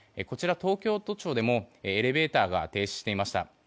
東京都庁でもエレベーターが停止していました。